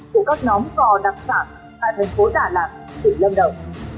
từ các nóm cò đặc sản tại thành phố đà lạt tỉnh lâm đậu